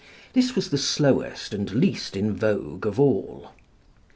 This was the slowest and least in vogue of all.